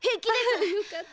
あよかった。